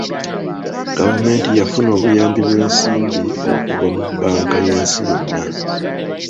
Gavumenti yafuna obuyambi bw'ensimbi okuva mu bbanka y'ensi yonna.